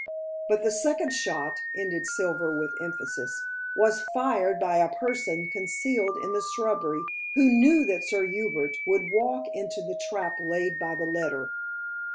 But the second shot," ended Silver with emphasis, "was fired by a person concealed in the shrubbery, who knew that Sir Hubert would walk into the trap laid by the letter."